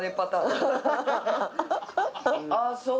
ああそう？